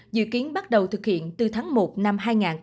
dự kiến bắt đầu thực hiện từ tháng một năm hai nghìn hai mươi